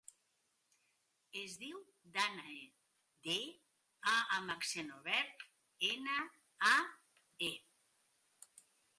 Es diu Dànae: de, a amb accent obert, ena, a, e.